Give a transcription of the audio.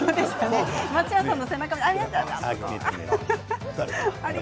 松島さんの背中もありがとうございます。